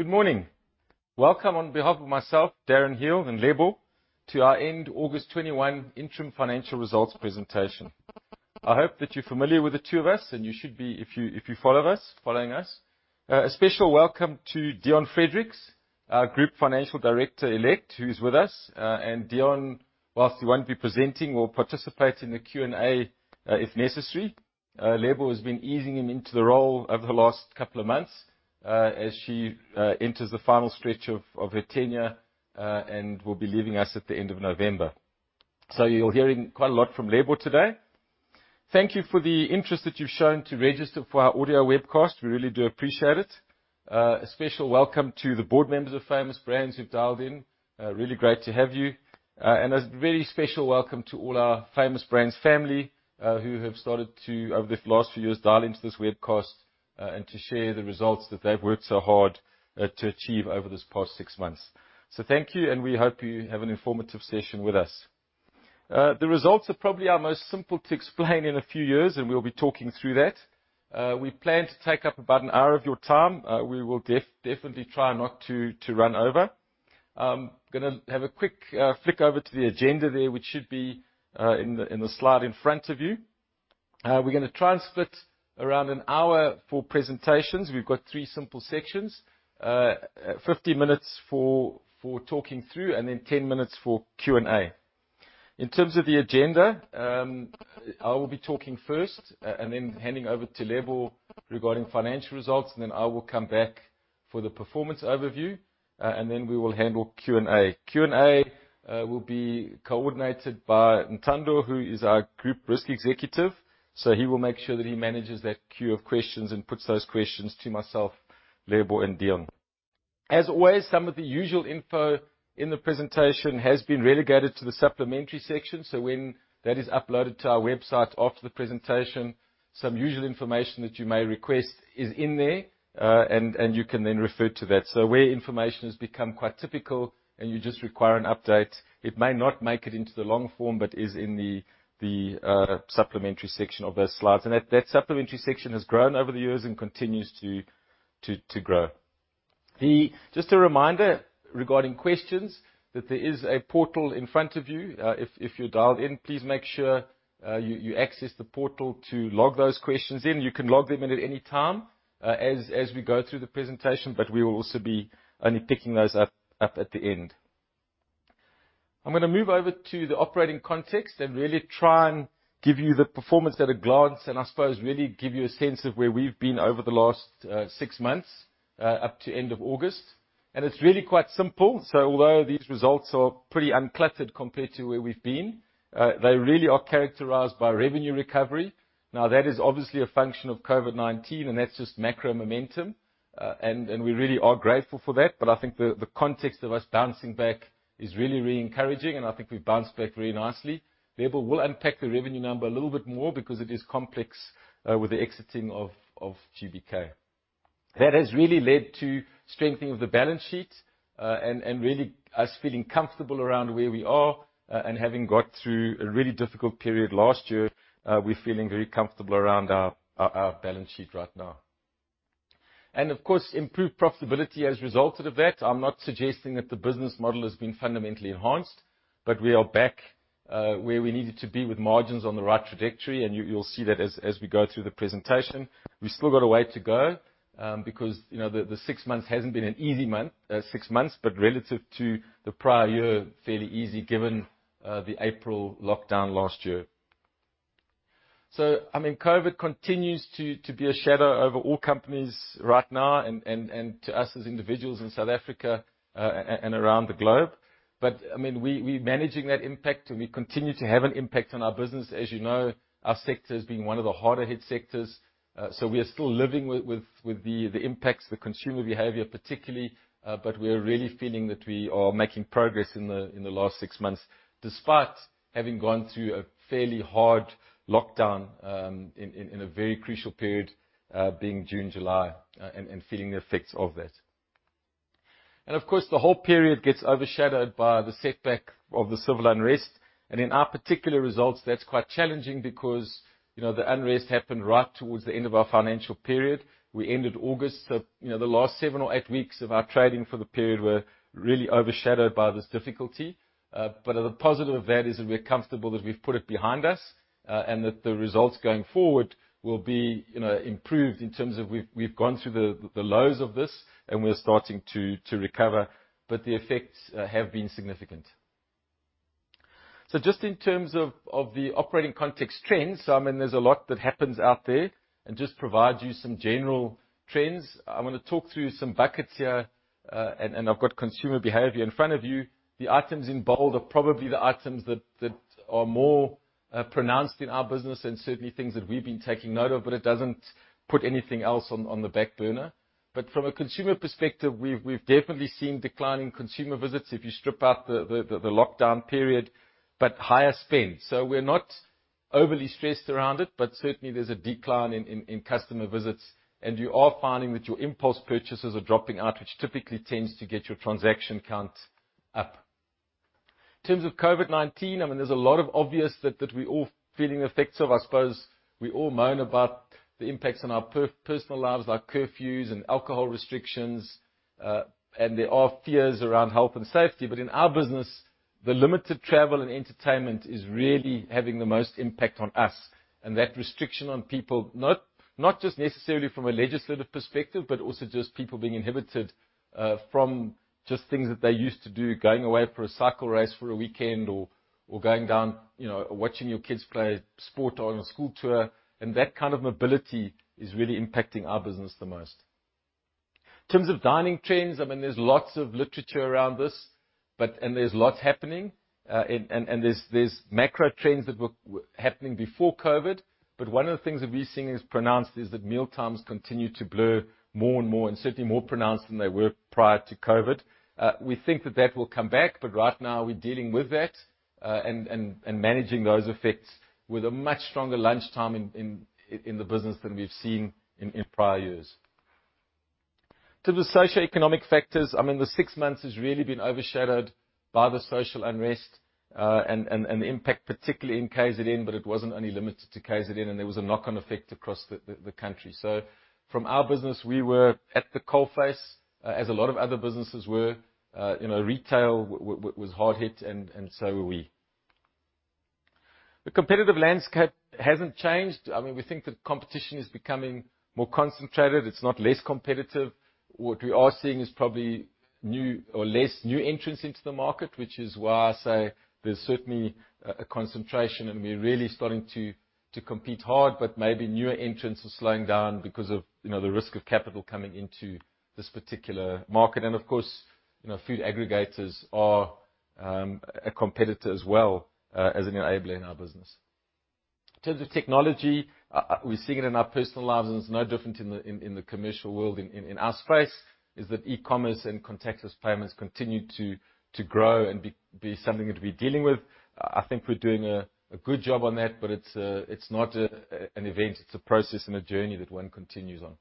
Good morning. Welcome on behalf of myself, Darren Hele and Lebo, to our end August 2021 interim financial results presentation. I hope that you're familiar with the two of us, and you should be if you follow us. A special welcome to Dion Fredericks, our Group Financial Director Elect, who's with us. And Dion, whilst he won't be presenting, will participate in the Q&A, if necessary. Lebo has been easing him into the role over the last couple of months, as she enters the final stretch of her tenure, and will be leaving us at the end of November. You're hearing quite a lot from Lebo today. Thank you for the interest that you've shown to register for our audio webcast. We really do appreciate it. A special welcome to the board members of Famous Brands who've dialed in. Really great to have you. A very special welcome to all our Famous Brands family, who have started to, over the last few years, dial into this webcast, and to share the results that they've worked so hard to achieve over this past six months. Thank you, and we hope you have an informative session with us. The results are probably our most simple to explain in a few years, and we'll be talking through that. We plan to take up about an hour of your time. We will definitely try not to run over. Gonna have a quick flick over to the agenda there, which should be in the slide in front of you. We're gonna try and split around an hour for presentations. We've got three simple sections. 50 minutes for talking through, and then 10 minutes for Q&A. In terms of the agenda, I will be talking first and then handing over to Lebo regarding financial results, and then I will come back for the performance overview, and then we will handle Q&A. Q&A will be coordinated by Ntando, who is our group risk executive. He will make sure that he manages that queue of questions and puts those questions to myself, Lebo, and Dion. As always, some of the usual info in the presentation has been relegated to the supplementary section, so when that is uploaded to our website after the presentation, some usual information that you may request is in there, and you can then refer to that. Where information has become quite typical and you just require an update, it may not make it into the long form, but is in the supplementary section of those slides. That supplementary section has grown over the years and continues to grow. Just a reminder regarding questions, that there is a portal in front of you. If you're dialed in, please make sure you access the portal to log those questions in. You can log them in at any time, as we go through the presentation, but we will also be only picking those up at the end. I'm gonna move over to the operating context and really try and give you the performance at a glance, and I suppose really give you a sense of where we've been over the last six months up to end of August. It's really quite simple. Although these results are pretty uncluttered compared to where we've been, they really are characterized by revenue recovery. Now, that is obviously a function of COVID-19, and that's just macro momentum, and we really are grateful for that. I think the context of us bouncing back is really, really encouraging, and I think we've bounced back very nicely. Lebo will unpack the revenue number a little bit more because it is complex with the exiting of GBK. That has really led to strengthening of the balance sheet, and really us feeling comfortable around where we are, and having got through a really difficult period last year, we're feeling very comfortable around our balance sheet right now. Of course, improved profitability has resulted of that. I'm not suggesting that the business model has been fundamentally enhanced, but we are back, where we needed to be with margins on the right trajectory, and you'll see that as we go through the presentation. We've still got a way to go, because, you know, the six months hasn't been an easy six months, but relative to the prior year, fairly easy, given the April lockdown last year. I mean, COVID continues to be a shadow over all companies right now and to us as individuals in South Africa and around the globe. I mean, we're managing that impact, and we continue to have an impact on our business. As you know, our sector has been one of the harder hit sectors, so we are still living with the impacts, particularly consumer behavior. We are really feeling that we are making progress in the last six months, despite having gone through a fairly hard lockdown in a very crucial period, being June, July, and feeling the effects of that. Of course, the whole period gets overshadowed by the setback of the civil unrest. In our particular results, that's quite challenging because, you know, the unrest happened right towards the end of our financial period. We ended August, so, you know, the last seven or eight weeks of our trading for the period were really overshadowed by this difficulty. But the positive of that is that we're comfortable that we've put it behind us, and that the results going forward will be, you know, improved in terms of we've gone through the lows of this and we're starting to recover, but the effects have been significant. Just in terms of the operating context trends, I mean, there's a lot that happens out there and just provide you some general trends. I wanna talk through some buckets here, and I've got consumer behavior in front of you. The items in bold are probably the items that are more pronounced in our business and certainly things that we've been taking note of, but it doesn't put anything else on the back burner. From a consumer perspective, we've definitely seen declining consumer visits if you strip out the lockdown period, but higher spend. We're not overly stressed around it, but certainly there's a decline in customer visits, and you are finding that your impulse purchases are dropping out, which typically tends to get your transaction count up. In terms of COVID-19, I mean, there's a lot of obvious that we're all feeling the effects of. I suppose we all moan about the impacts on our personal lives, like curfews and alcohol restrictions. There are fears around health and safety. In our business, the limited travel and entertainment is really having the most impact on us and that restriction on people, not just necessarily from a legislative perspective, but also just people being inhibited, from just things that they used to do, going away for a cycle race for a weekend or going down, you know, watching your kids play sport or on a school tour. That kind of mobility is really impacting our business the most. In terms of dining trends, I mean, there's lots of literature around this, but there's lots happening, and there's macro trends that were happening before COVID. One of the things that we're seeing as pronounced is that mealtimes continue to blur more and more, and certainly more pronounced than they were prior to COVID. We think that will come back, but right now we're dealing with that, and managing those effects with a much stronger lunchtime in the business than we've seen in prior years. To the socioeconomic factors, I mean, the six months has really been overshadowed by the social unrest, and the impact, particularly in KZN, but it wasn't only limited to KZN, and there was a knock-on effect across the country. From our business, we were at the coalface, as a lot of other businesses were. You know, retail was hard hit and so were we. The competitive landscape hasn't changed. I mean, we think that competition is becoming more concentrated. It's not less competitive. What we are seeing is probably new or less new entrants into the market, which is why I say there's certainly a concentration, and we're really starting to compete hard. Maybe newer entrants are slowing down because of, you know, the risk of capital coming into this particular market. Of course, you know, food aggregators are a competitor as well, as an enabler in our business. In terms of technology, we're seeing it in our personal lives, and it's no different in the commercial world. In our space is that e-commerce and contactless payments continue to grow and be something that we're dealing with. I think we're doing a good job on that, but it's not an event, it's a process and a journey that one continues on.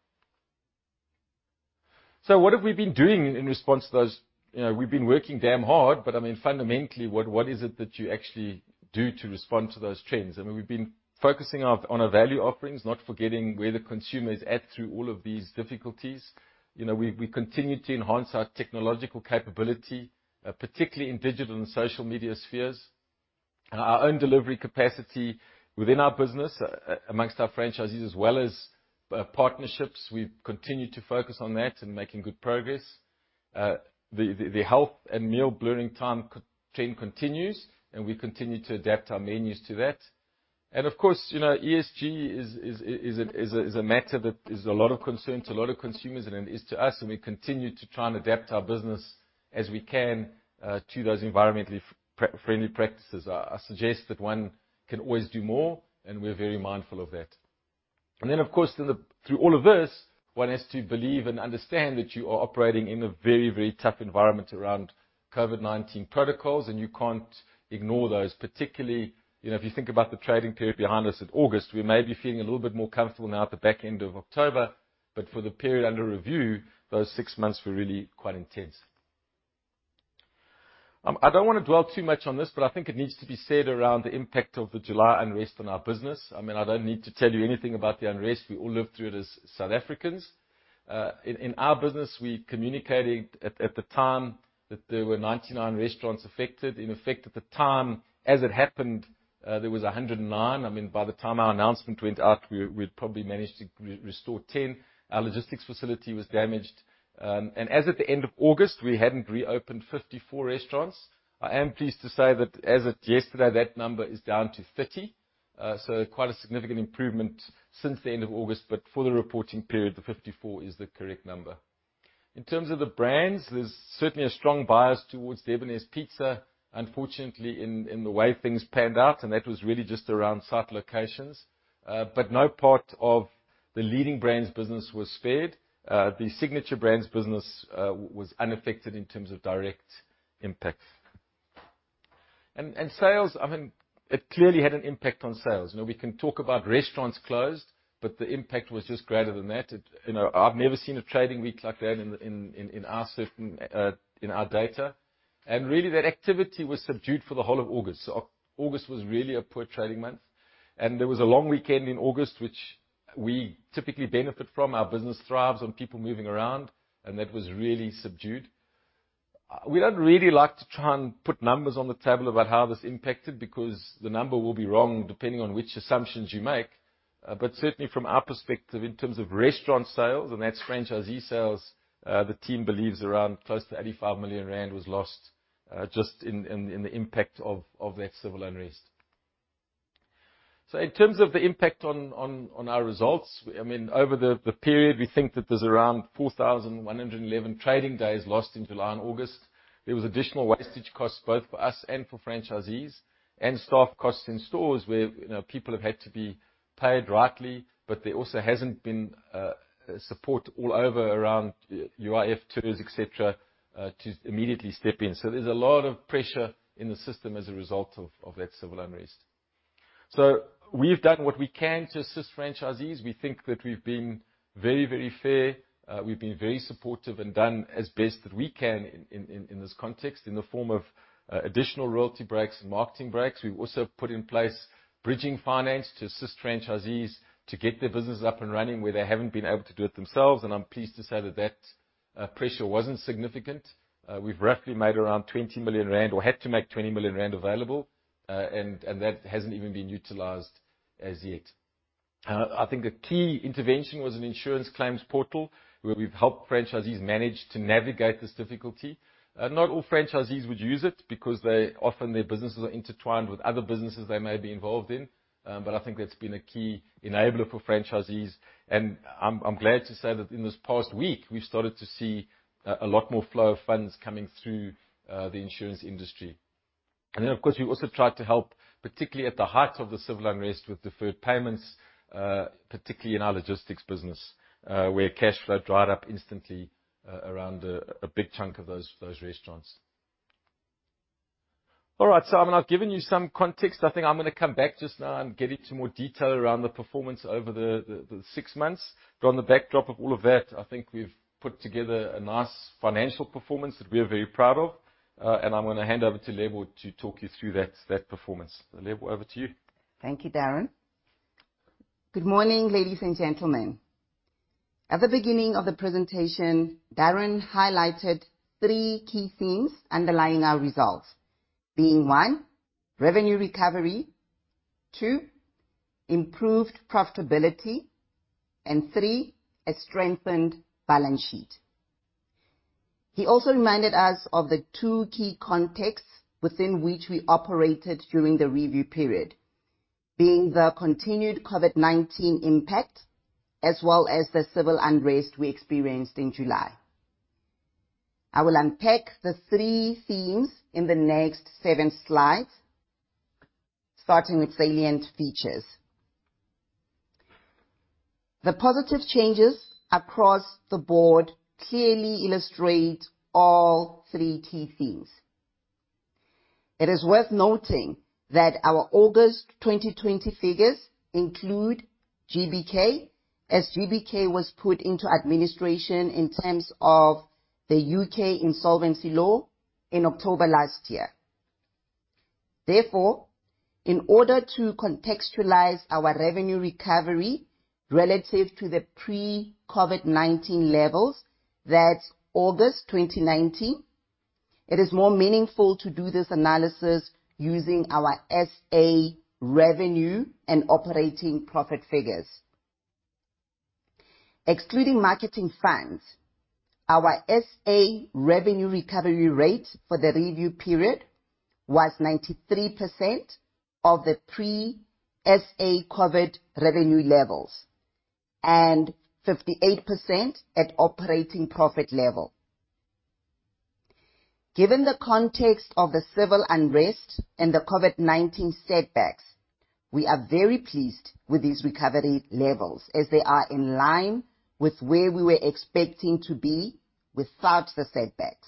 What have we been doing in response to those? You know, we've been working damn hard, but I mean, fundamentally, what is it that you actually do to respond to those trends? I mean, we've been focusing on our value offerings, not forgetting where the consumer is at through all of these difficulties. You know, we continue to enhance our technological capability, particularly in digital and social media spheres. Our own delivery capacity within our business amongst our franchises as well as partnerships, we've continued to focus on that and making good progress. The health and meal blurring time trend continues, and we continue to adapt our menus to that. Of course, you know, ESG is a matter that is a lot of concern to a lot of consumers, and it is to us, and we continue to try and adapt our business as we can to those environmentally friendly practices. I suggest that one can always do more, and we're very mindful of that. Of course, through all of this, one has to believe and understand that you are operating in a very, very tough environment around COVID-19 protocols, and you can't ignore those. Particularly, you know, if you think about the trading period behind us in August, we may be feeling a little bit more comfortable now at the back end of October, but for the period under review, those six months were really quite intense. I don't wanna dwell too much on this, but I think it needs to be said around the impact of the July unrest on our business. I mean, I don't need to tell you anything about the unrest. We all lived through it as South Africans. In our business, we communicated at the time that there were 99 restaurants affected. In effect, at the time, as it happened, there was 109. I mean, by the time our announcement went out, we'd probably managed to restore 10. Our logistics facility was damaged. As at the end of August, we hadn't reopened 54 restaurants. I am pleased to say that as of yesterday, that number is down to 30. Quite a significant improvement since the end of August, but for the reporting period, the 54 is the correct number. In terms of the brands, there's certainly a strong bias towards Debonairs Pizza, unfortunately, in the way things panned out, and that was really just around site locations. But no part of the Leading Brands business was spared. The Signature Brands business was unaffected in terms of direct impacts and sales, I mean, it clearly had an impact on sales. You know, we can talk about restaurants closed, but the impact was just greater than that. You know, I've never seen a trading week like that in our sector and in our data. Really, that activity was subdued for the whole of August. August was really a poor trading month. There was a long weekend in August, which we typically benefit from. Our business thrives on people moving around, and that was really subdued. We don't really like to try and put numbers on the table about how this impacted because the number will be wrong depending on which assumptions you make. Certainly from our perspective, in terms of restaurant sales, and that's franchisee sales, the team believes around close to 85 million rand was lost, just in the impact of that civil unrest. In terms of the impact on our results, I mean, over the period, we think that there's around 4,111 trading days lost in July and August. There was additional wastage costs both for us and for franchisees and staff costs in stores where, you know, people have had to be paid rightly, but there also hasn't been support all over around UIF tools, et cetera, to immediately step in. There's a lot of pressure in the system as a result of that civil unrest. We've done what we can to assist franchisees. We think that we've been very fair. We've been very supportive and done as best that we can in this context in the form of additional royalty breaks and marketing breaks. We've also put in place bridging finance to assist franchisees to get their businesses up and running where they haven't been able to do it themselves, and I'm pleased to say that pressure wasn't significant. We've roughly made around 20 million rand, or had to make 20 million rand available, and that hasn't even been utilized as yet. I think a key intervention was an insurance claims portal, where we've helped franchisees manage to navigate this difficulty. Not all franchisees would use it because often their businesses are intertwined with other businesses they may be involved in, but I think that's been a key enabler for franchisees. I'm glad to say that in this past week, we've started to see a lot more flow of funds coming through the insurance industry. Then, of course, we also tried to help, particularly at the height of the civil unrest, with deferred payments, particularly in our logistics business, where cash flow dried up instantly around a big chunk of those restaurants. All right, I mean, I've given you some context. I think I'm gonna come back just now and get into more detail around the performance over the six months. On the backdrop of all of that, I think we've put together a nice financial performance that we are very proud of, and I'm gonna hand over to Lebo to talk you through that performance. Lebo, over to you. Thank you, Darren. Good morning, ladies and gentlemen. At the beginning of the presentation, Darren highlighted three key themes underlying our results, being one, revenue recovery, two, improved profitability, and three, a strengthened balance sheet. He also reminded us of the two key contexts within which we operated during the review period, being the continued COVID-19 impact as well as the civil unrest we experienced in July. I will unpack the three themes in the next seven slides, starting with salient features. The positive changes across the board clearly illustrate all three key themes. It is worth noting that our August 2020 figures include GBK, as GBK was put into administration in terms of the U.K. insolvency law in October last year. Therefore, in order to contextualize our revenue recovery relative to the pre-COVID-19 levels, that's August 2019, it is more meaningful to do this analysis using our SA revenue and operating profit figures. Excluding marketing funds, our SA revenue recovery rate for the review period was 93% of the pre-SA COVID revenue levels and 58% at operating profit level. Given the context of the civil unrest and the COVID-19 setbacks, we are very pleased with these recovery levels, as they are in line with where we were expecting to be without the setbacks.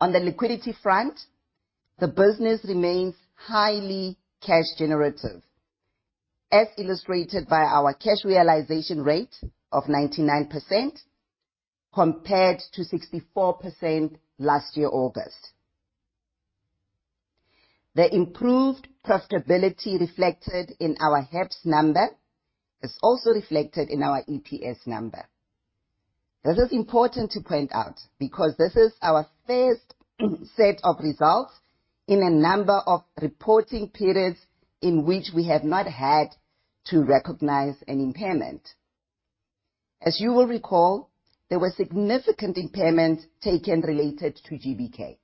On the liquidity front, the business remains highly cash generative, as illustrated by our cash realization rate of 99%, compared to 64% last year, August. The improved profitability reflected in our HEPS number is also reflected in our EPS number. This is important to point out because this is our first set of results in a number of reporting periods in which we have not had to recognize an impairment. As you will recall, there were significant impairments taken related to GBK.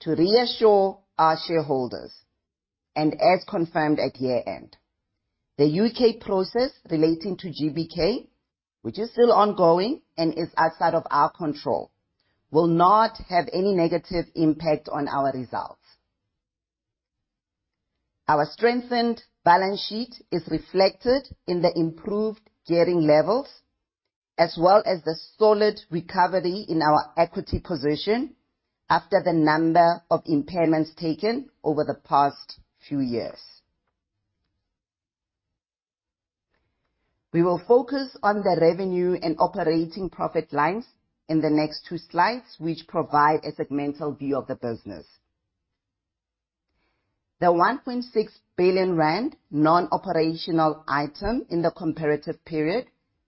To reassure our shareholders, and as confirmed at year-end, the U.K. process relating to GBK, which is still ongoing and is outside of our control, will not have any negative impact on our results. Our strengthened balance sheet is reflected in the improved gearing levels as well as the solid recovery in our equity position after the number of impairments taken over the past few years. We will focus on the revenue and operating profit lines in the next two slides, which provide a segmental view of the business. The 1.6 billion rand non-operational item in the comparative period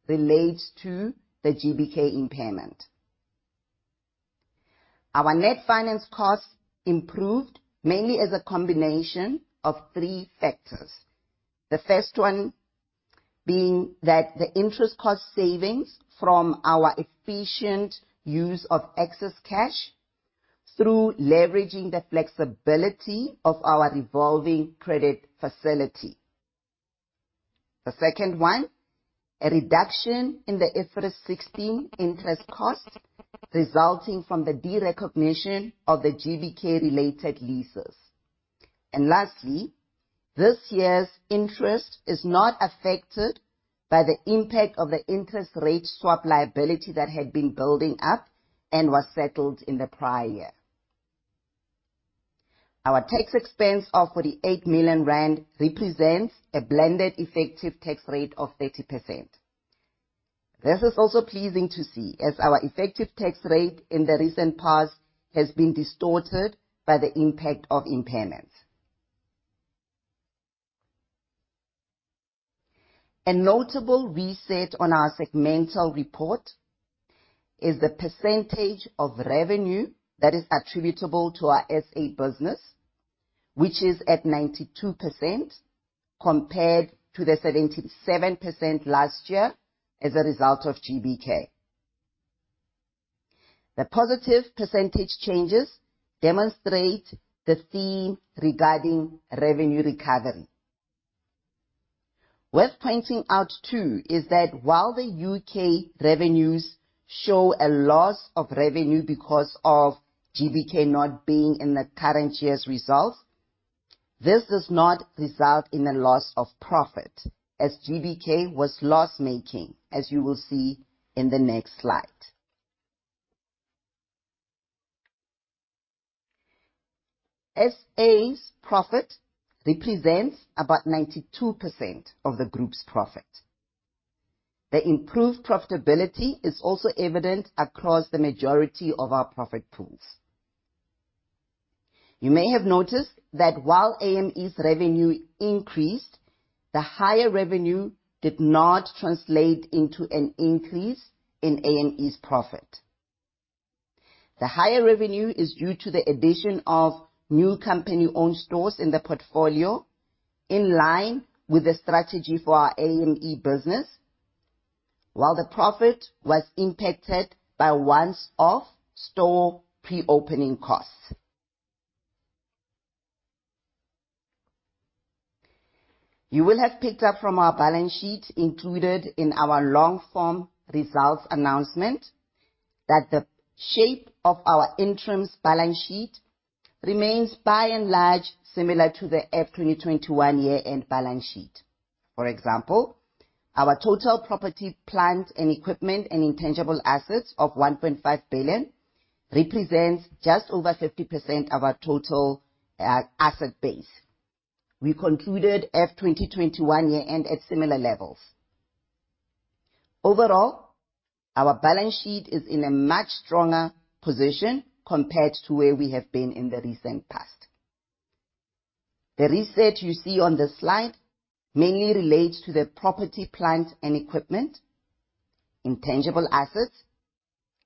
relates to the GBK impairment. Our net finance costs improved mainly as a combination of three factors. The first one being that the interest cost savings from our efficient use of excess cash through leveraging the flexibility of our revolving credit facility. The second one, a reduction in the IFRS 16 interest costs resulting from the derecognition of the GBK-related leases. Lastly, this year's interest is not affected by the impact of the interest rate swap liability that had been building up and was settled in the prior year. Our tax expense of 48 million rand represents a blended effective tax rate of 30%. This is also pleasing to see, as our effective tax rate in the recent past has been distorted by the impact of impairments. A notable reset on our segmental report is the percentage of revenue that is attributable to our SA business, which is at 92% compared to the 77% last year as a result of GBK. The positive percentage changes demonstrate the theme regarding revenue recovery. Worth pointing out, too, is that while the U.K. revenues show a loss of revenue because of GBK not being in the current year's results, this does not result in a loss of profit, as GBK was loss-making, as you will see in the next slide. SA's profit represents about 92% of the group's profit. The improved profitability is also evident across the majority of our profit pools. You may have noticed that while AME's revenue increased, the higher revenue did not translate into an increase in AME's profit. The higher revenue is due to the addition of new company-owned stores in the portfolio, in line with the strategy for our AME business. While the profit was impacted by once-off store pre-opening costs. You will have picked up from our balance sheet included in our long-form results announcement that the shape of our interim's balance sheet remains by and large similar to the F 2021 year-end balance sheet. For example, our total property, plant and equipment and intangible assets of 1.5 billion represents just over 50% of our total asset base. We concluded F 2021 year-end at similar levels. Overall, our balance sheet is in a much stronger position compared to where we have been in the recent past. The reset you see on the slide mainly relates to the property, plant and equipment, intangible assets,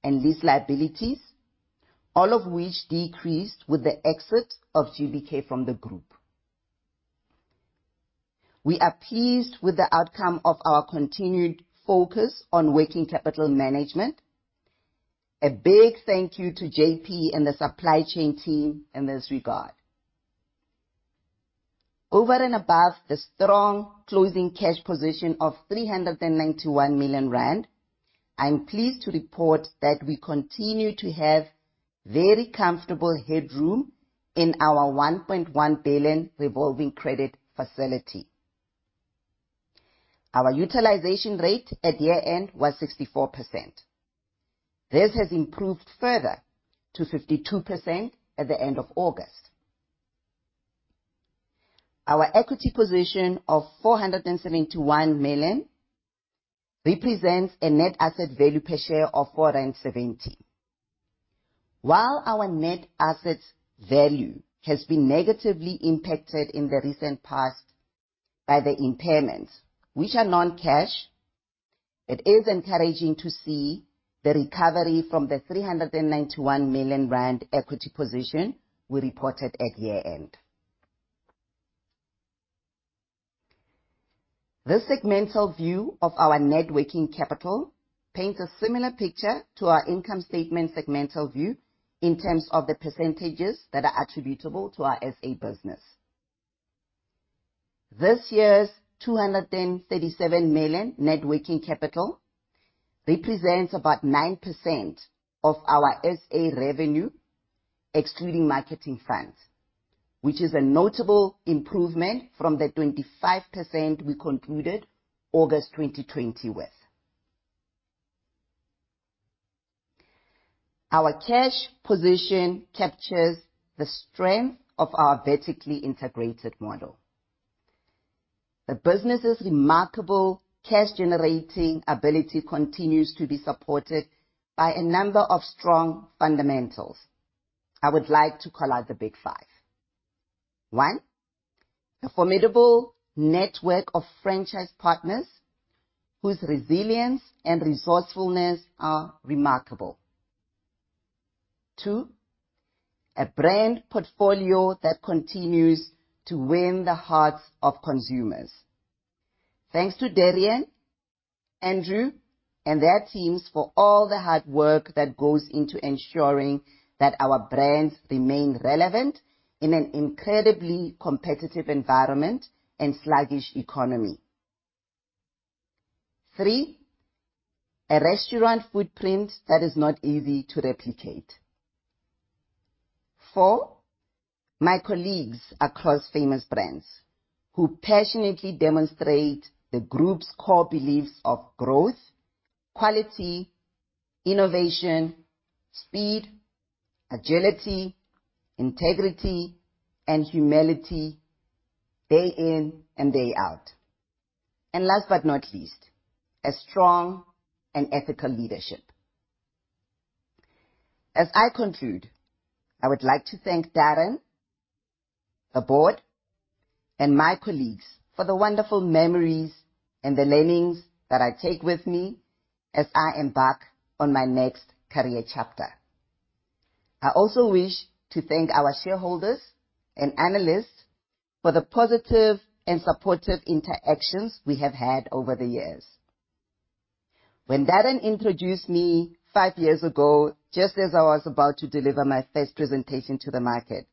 and lease liabilities, all of which decreased with the exit of GBK from the group. We are pleased with the outcome of our continued focus on working capital management. A big thank you to JP and the supply chain team in this regard. Over and above the strong closing cash position of 391 million rand, I'm pleased to report that we continue to have very comfortable headroom in our 1.1 billion revolving credit facility. Our utilization rate at year-end was 64%. This has improved further to 52% at the end of August. Our equity position of 471 million represents a net asset value per share of 4.70. While our net asset value has been negatively impacted in the recent past by the impairments, which are non-cash, it is encouraging to see the recovery from the 391 million rand equity position we reported at year-end. The segmental view of our net working capital paints a similar picture to our income statement segmental view in terms of the percentages that are attributable to our SA business. This year's 237 million net working capital represents about 9% of our SA revenue, excluding marketing funds, which is a notable improvement from the 25% we concluded August 2020 with. Our cash position captures the strength of our vertically integrated model. The business's remarkable cash-generating ability continues to be supported by a number of strong fundamentals. I would like to call out the big five. One, a formidable network of franchise partners whose resilience and resourcefulness are remarkable. Two, a brand portfolio that continues to win the hearts of consumers. Thanks to Darren, Andrew, and their teams for all the hard work that goes into ensuring that our brands remain relevant in an incredibly competitive environment and sluggish economy. Three, a restaurant footprint that is not easy to replicate. Four, my colleagues across Famous Brands who passionately demonstrate the Group's core beliefs of growth, quality, innovation, speed, agility, integrity, and humility day in and day out. Last but not least, a strong and ethical leadership. As I conclude, I would like to thank Darren, the Board, and my colleagues for the wonderful memories and the learnings that I take with me as I embark on my next career chapter. I also wish to thank our shareholders and analysts for the positive and supportive interactions we have had over the years. When Darren introduced me five years ago, just as I was about to deliver my first presentation to the market,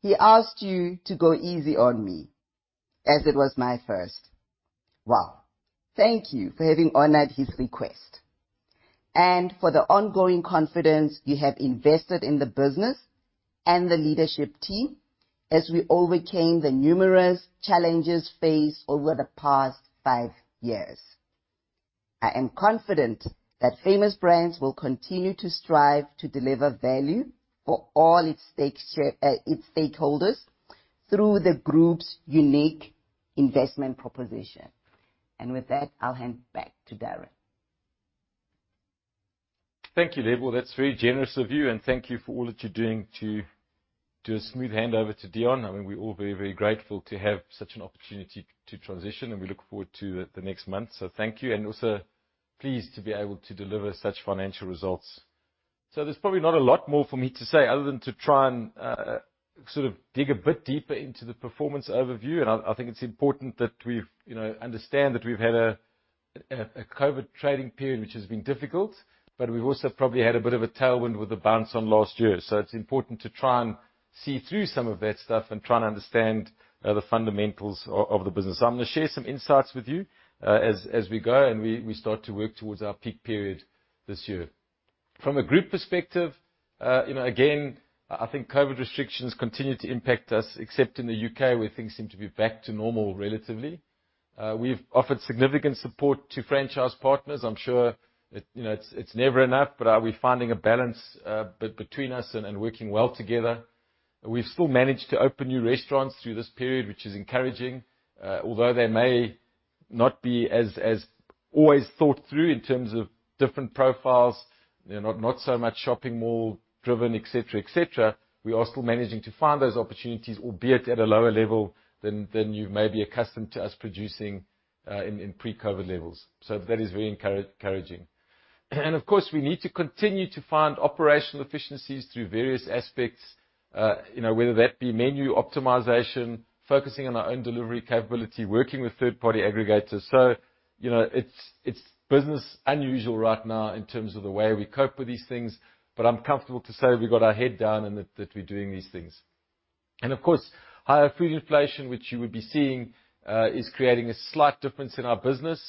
he asked you to go easy on me, as it was my first. Wow, thank you for having honored his request and for the ongoing confidence you have invested in the business and the leadership team as we overcame the numerous challenges faced over the past five years. I am confident that Famous Brands will continue to strive to deliver value for all its stakeholders through the Group's unique investment proposition. With that, I'll hand back to Darren. Thank you, Lebo. That's very generous of you, and thank you for all that you're doing to smooth handover to Dion. I mean, we're all very, very grateful to have such an opportunity to transition, and we look forward to the next month. Thank you, and also pleased to be able to deliver such financial results. There's probably not a lot more for me to say other than to try and sort of dig a bit deeper into the performance overview. I think it's important that we, you know, understand that we've had a COVID trading period, which has been difficult, but we've also probably had a bit of a tailwind with the bounce on last year. It's important to try and see through some of that stuff and try and understand the fundamentals of the business. I'm gonna share some insights with you, as we go and we start to work towards our peak period this year. From a group perspective, you know, again, I think COVID restrictions continue to impact us, except in the U.K., where things seem to be back to normal relatively. We've offered significant support to franchise partners. I'm sure you know, it's never enough, but are we finding a balance between us and working well together? We've still managed to open new restaurants through this period, which is encouraging, although they may not be as always thought through in terms of different profiles, you know, not so much shopping mall driven, et cetera, et cetera. We are still managing to find those opportunities, albeit at a lower level than you may be accustomed to us producing in pre-COVID levels. That is very encouraging. Of course, we need to continue to find operational efficiencies through various aspects, you know, whether that be menu optimization, focusing on our own delivery capability, working with third-party aggregators. You know, it's business unusual right now in terms of the way we cope with these things, but I'm comfortable to say we've got our head down and that we're doing these things. Of course, higher food inflation, which you will be seeing, is creating a slight difference in our business.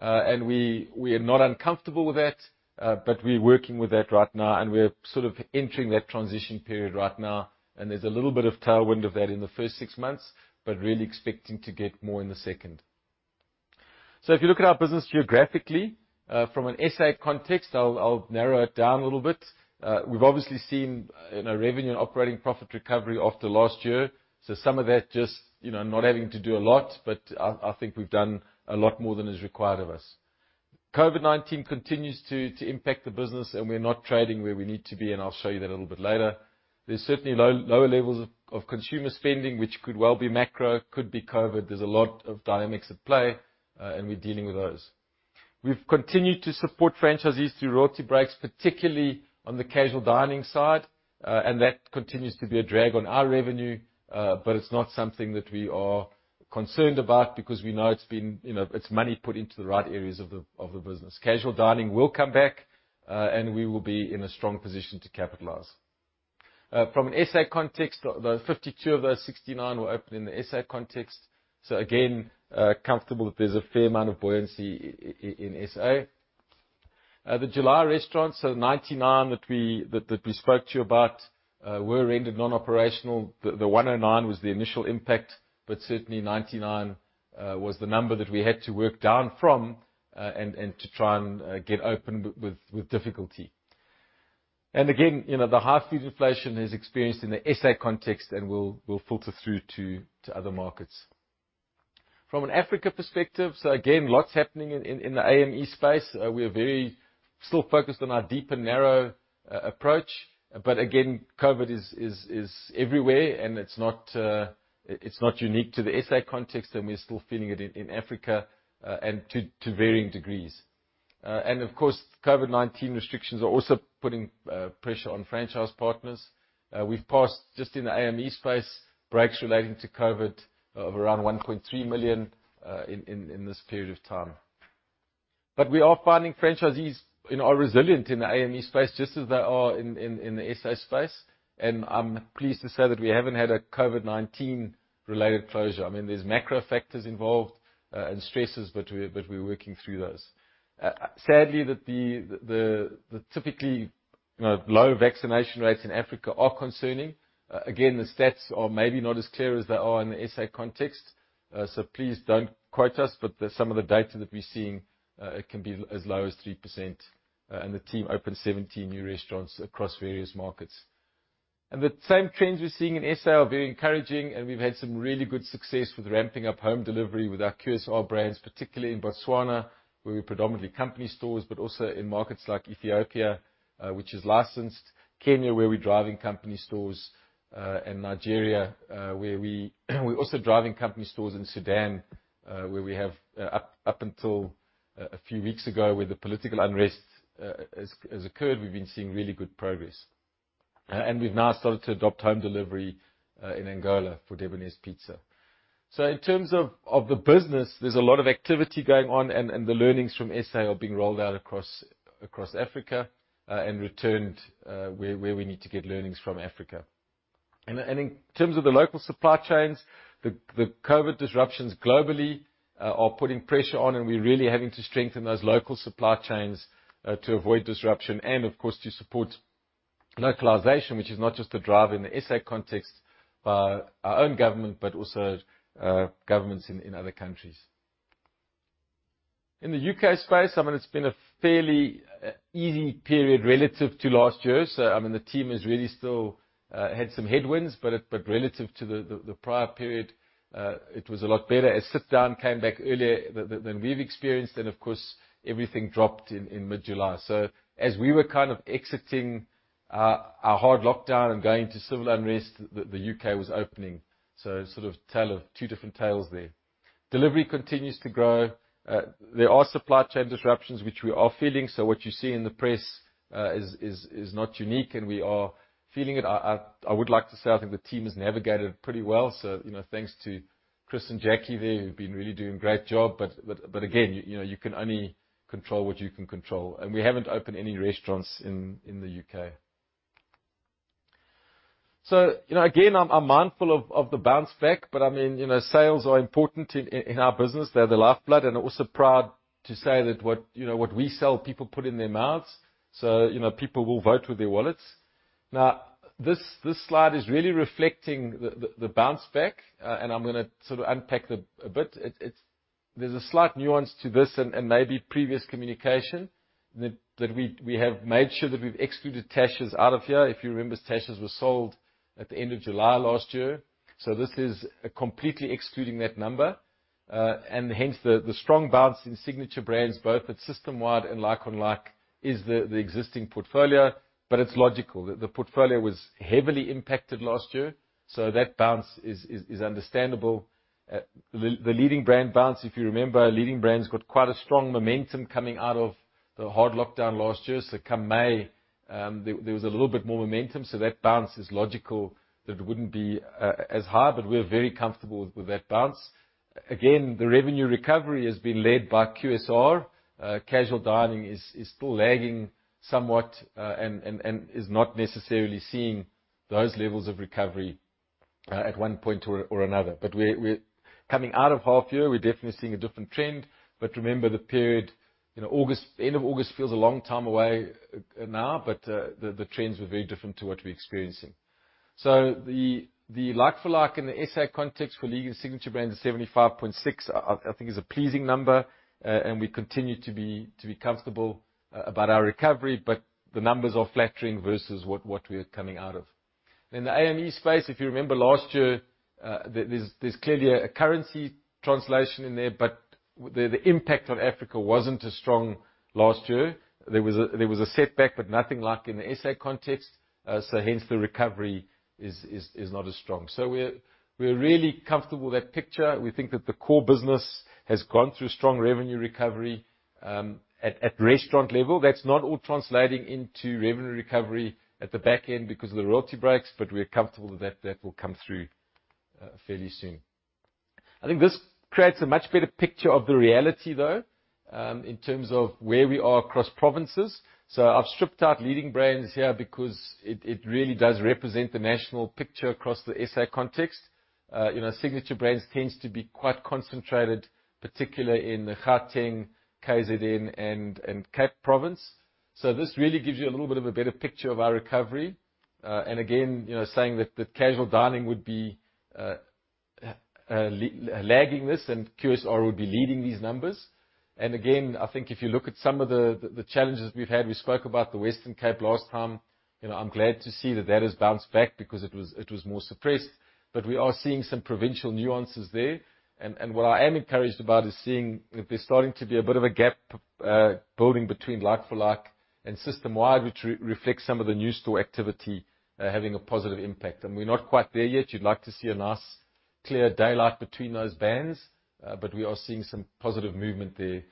We are not uncomfortable with that, but we're working with that right now, and we're sort of entering that transition period right now, and there's a little bit of tailwind of that in the first six months, but really expecting to get more in the second. If you look at our business geographically, from an SA context, I'll narrow it down a little bit. We've obviously seen, you know, revenue and operating profit recovery after last year. Some of that just, you know, not having to do a lot, but I think we've done a lot more than is required of us. COVID-19 continues to impact the business, and we're not trading where we need to be, and I'll show you that a little bit later. There's certainly lower levels of consumer spending, which could well be macro, could be COVID. There's a lot of dynamics at play, and we're dealing with those. We've continued to support franchisees through royalty breaks, particularly on the casual dining side, and that continues to be a drag on our revenue, but it's not something that we are concerned about because we know. You know, it's money put into the right areas of the business. Casual dining will come back, and we will be in a strong position to capitalize. From an SA context, the 52 of those 69 were opened in the SA context, so again, comfortable that there's a fair amount of buoyancy in SA. The July restaurants, so 99 that we spoke to you about, were rendered non-operational. The 109 was the initial impact, but certainly 99 was the number that we had to work down from, and to try and get open with difficulty. Again, you know, the high food inflation is experienced in the SA context and will filter through to other markets. From an Africa perspective, so again, lots happening in the AME space. We are very still focused on our deep and narrow approach. Again, COVID is everywhere, and it's not unique to the SA context, and we're still feeling it in Africa and to varying degrees. Of course, COVID-19 restrictions are also putting pressure on franchise partners. We've passed just in the AME space breaks relating to COVID of around 1.3 million in this period of time. We are finding franchisees, you know, are resilient in the AME space just as they are in the SA space, and I'm pleased to say that we haven't had a COVID-19 related closure. I mean, there's macro factors involved and stresses, but we're working through those. Sadly, the typical, you know, low vaccination rates in Africa are concerning. Again, the stats are maybe not as clear as they are in the SA context, so please don't quote us, but some of the data that we're seeing can be as low as 3%. The team opened 70 new restaurants across various markets. The same trends we're seeing in SA are very encouraging, and we've had some really good success with ramping up home delivery with our QSR brands, particularly in Botswana, where we're predominantly company stores, but also in markets like Ethiopia, which is licensed, Kenya, where we're driving company stores, and Nigeria, where we're also driving company stores in Sudan, where we have, up until a few weeks ago, where the political unrest has occurred, we've been seeing really good progress. We've now started to adopt home delivery in Angola for Debonairs Pizza. In terms of the business, there's a lot of activity going on and the learnings from SA are being rolled out across Africa and returned where we need to get learnings from Africa. In terms of the local supply chains, the COVID disruptions globally are putting pressure on and we're really having to strengthen those local supply chains to avoid disruption and of course to support localization, which is not just a drive in the SA context by our own government, but also governments in other countries. In the U.K. space, I mean, it's been a fairly easy period relative to last year. I mean, the team has really still had some headwinds, but relative to the prior period, it was a lot better. As sit-down came back earlier than we've experienced, and of course, everything dropped in mid-July. As we were kind of exiting our hard lockdown and going to civil unrest, the U.K. was opening. Sort of tale of two different tales there. Delivery continues to grow. There are supply chain disruptions which we are feeling. What you see in the press is not unique and we are feeling it. I would like to say I think the team has navigated pretty well, so you know, thanks to Chris and Jackie there who've been really doing a great job. you know, you can only control what you can control. We haven't opened any restaurants in the U.K. you know, again, I'm mindful of the bounce back, but I mean, you know, sales are important in our business. They're the lifeblood, and also proud to say that what we sell, people put in their mouths. you know, people will vote with their wallets. Now, this slide is really reflecting the bounce back, and I'm gonna sort of unpack it a bit. There's a slight nuance to this and maybe previous communication that we have made sure that we've excluded tashas out of here. If you remember, tashas was sold at the end of July last year. this is completely excluding that number. Hence the strong bounce in Signature Brands, both at system-wide and like-for-like, is the existing portfolio. It's logical that the portfolio was heavily impacted last year, so that bounce is understandable. The Leading Brands bounce, if you remember, Leading Brands got quite a strong momentum coming out of the hard lockdown last year. Come May, there was a little bit more momentum, so that bounce is logical, that it wouldn't be as high. We're very comfortable with that bounce. Again, the revenue recovery has been led by QSR. Casual dining is still lagging somewhat, and is not necessarily seeing those levels of recovery, at one point or another. We're coming out of half year, we're definitely seeing a different trend. Remember the period, August. End of August feels a long time away now, but the trends were very different to what we're experiencing. The like-for-like in the SA context for Leading Brands and Signature Brands is 75.6%, I think is a pleasing number. And we continue to be comfortable about our recovery, but the numbers are flattering versus what we're coming out of. In the AME space, if you remember last year, there's clearly a currency translation in there, but the impact on Africa wasn't as strong last year. There was a setback, but nothing like in the SA context, so hence the recovery is not as strong. We're really comfortable with that picture. We think that the core business has gone through strong revenue recovery at restaurant level. That's not all translating into revenue recovery at the back end because of the royalty breaks, but we're comfortable that that will come through fairly soon. I think this creates a much better picture of the reality, though, in terms of where we are across provinces. I've stripped out Leading Brands here because it really does represent the national picture across the SA context. You know, Signature Brands tends to be quite concentrated, particularly in Gauteng, KZN and Cape Province. This really gives you a little bit of a better picture of our recovery. Again, you know, saying that casual dining would be lagging this and QSR would be leading these numbers. Again, I think if you look at some of the challenges we've had, we spoke about the Western Cape last time, you know, I'm glad to see that has bounced back because it was more suppressed. But we are seeing some provincial nuances there. What I am encouraged about is seeing there's starting to be a bit of a gap building between like-for-like and system wide, which reflects some of the new store activity having a positive impact. We're not quite there yet. You'd like to see a nice clear daylight between those bands, but we are seeing some positive movement there,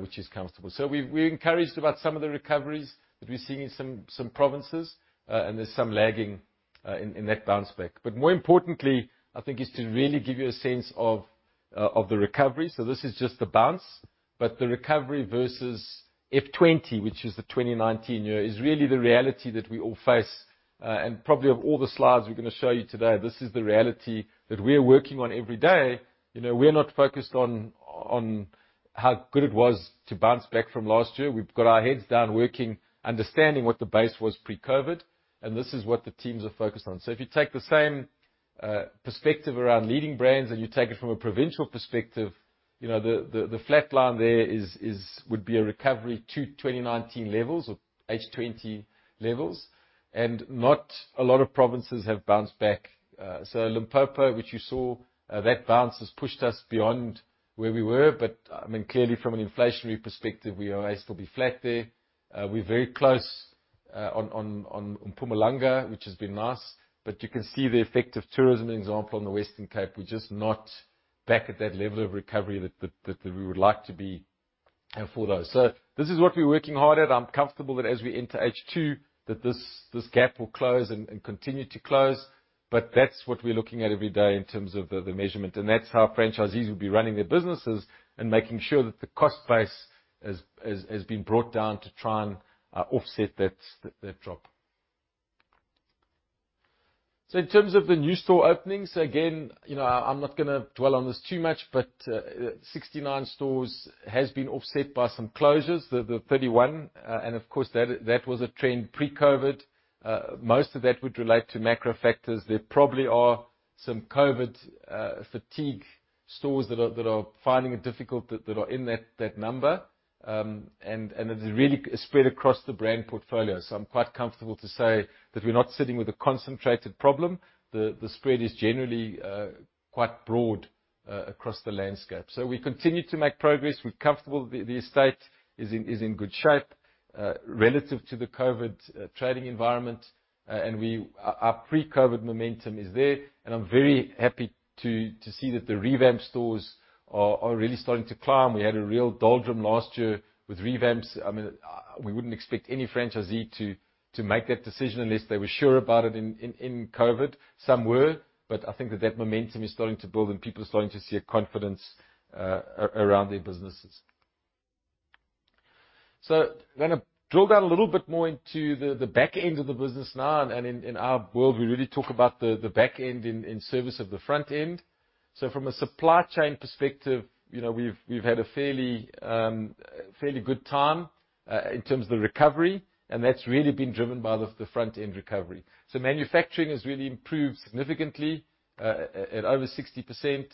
which is comfortable. We're encouraged about some of the recoveries that we're seeing in some provinces, and there's some lagging in that bounce back. More importantly, I think is to really give you a sense of the recovery. This is just the bounce, but the recovery versus F20, which is the 2019 year, is really the reality that we all face, and probably of all the slides we're gonna show you today, this is the reality that we are working on every day. You know, we're not focused on how good it was to bounce back from last year. We've got our heads down, working, understanding what the base was pre-COVID, and this is what the teams are focused on. If you take the same perspective around Leading Brands, and you take it from a provincial perspective, you know, the flat line there is would be a recovery to 2019 levels or H-twenty levels. Not a lot of provinces have bounced back. Limpopo, which you saw, that bounce has pushed us beyond where we were. I mean, clearly from an inflationary perspective, we are still be flat there. We're very close on Mpumalanga, which has been nice, but you can see the effect of tourism, example, on the Western Cape. We're just not back at that level of recovery that we would like to be for those. This is what we're working hard at. I'm comfortable that as we enter H2 that this gap will close and continue to close, but that's what we're looking at every day in terms of the measurement. That's how franchisees will be running their businesses and making sure that the cost base has been brought down to try and offset that drop. In terms of the new store openings, again, you know, I'm not gonna dwell on this too much, but 69 stores has been offset by some closures, the 31. Of course, that was a trend pre-COVID. Most of that would relate to macro factors. There probably are some COVID fatigue stores that are finding it difficult that are in that number. It is really spread across the brand portfolio, so I'm quite comfortable to say that we're not sitting with a concentrated problem. The spread is generally quite broad across the landscape. We continue to make progress. We're comfortable the estate is in good shape relative to the COVID trading environment. We Our pre-COVID momentum is there, and I'm very happy to see that the revamp stores are really starting to climb. We had a real doldrums last year with revamps. I mean, we wouldn't expect any franchisee to make that decision unless they were sure about it in COVID. Some were, but I think that momentum is starting to build and people are starting to see a confidence around their businesses. I'm gonna drill down a little bit more into the back end of the business now. In our world, we really talk about the back end in service of the front end. From a supply chain perspective, you know, we've had a fairly good time in terms of the recovery, and that's really been driven by the front-end recovery. Manufacturing has really improved significantly at over 60%.